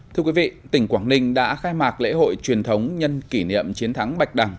thưa quý vị tỉnh quảng ninh đã khai mạc lễ hội truyền thống nhân kỷ niệm chiến thắng bạch đằng